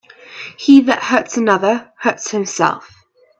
He that hurts another, hurts himself.